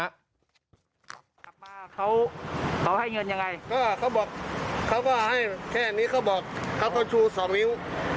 กลับมาเขาให้เงินยังไงก็เขาบอกเขาก็ให้แค่นี้เขาบอกเขาก็ชูสองนิ้ว